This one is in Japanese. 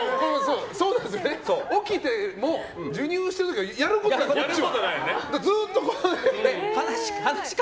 起きても授乳してる時はやることない、こっちは。